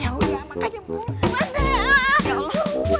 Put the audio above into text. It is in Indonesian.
ya udah makanya bu dua